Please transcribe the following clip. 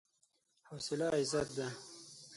حوصله عزت ده.